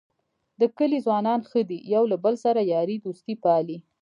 د کلي ځوانان ښه دي یو له بل سره یارۍ دوستۍ پالي.